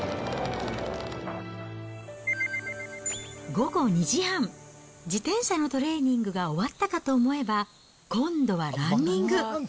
午後２時半、自転車のトレーニングが終わったかと思えば、今度はランニング。